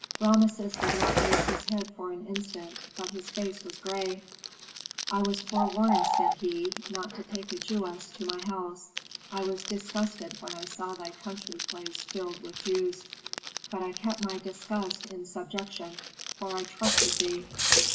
Rameses did not raise his head for an instant, but his face was gray. "I was forewarned," said he, "not to take a Jewess to my house. I was disgusted when I saw thy country place filled with Jews; but I kept my disgust in subjection, for I trusted thee.